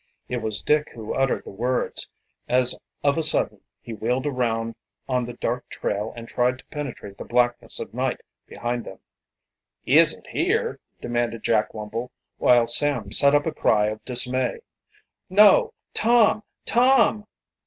It was Dick who uttered the words, as of a sudden he wheeled around on the dark trail and tried to penetrate the blackness of night behind them. "Isn't here?" demanded Jack Wumble, while Sam set up a cry of dismay. "No. Tom! Tom!"